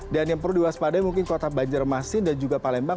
dan yang perlu diwaspadai mungkin kota banjarmasin dan juga palembang